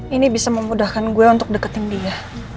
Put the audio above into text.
ini bisa memudahkan gue untuk deketin dia